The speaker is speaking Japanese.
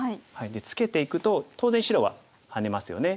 でツケていくと当然白はハネますよね。